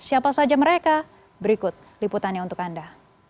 siapa saja mereka berikut liputannya untuk anda